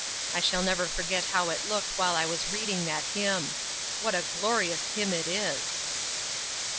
I shall never forget how it looked while I was reading that hymn. What a glorious hymn it is